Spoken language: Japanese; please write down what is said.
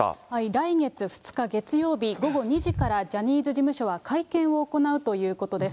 来月２日月曜日午後２時から、ジャニーズ事務所は会見を行うということです。